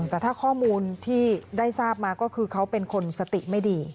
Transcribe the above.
แต่ถ้าข้อมูลที่ได้ทราบมาก็คือเขาเป็นคนสติไม่ดี